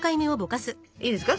いいですか？